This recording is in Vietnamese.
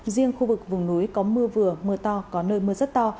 riêng khu vực vùng núi có mưa vừa mưa to có nơi mưa rất to